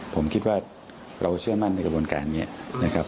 ผมคิดว่าเราเชื่อมั่นในกระบวนการนี้นะครับ